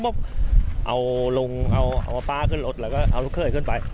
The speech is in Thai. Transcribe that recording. ต้องลงเอาเดาะพาขึ้นรถแต่พี่มาเอาเข้าไป